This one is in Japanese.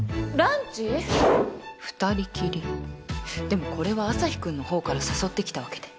２人きりでもこれはアサヒくんのほうから誘ってきたわけで